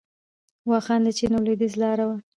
واخان د چین او لویدیځ لاره وه